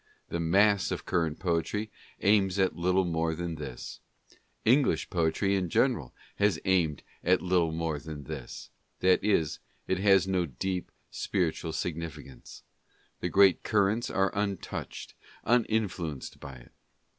The mass of current poetry aims at little more than this. English poetry in general has aimed at little more than this ; that is, it has no deep spiritual significance; the great currents are untouched, uninfluenced by it.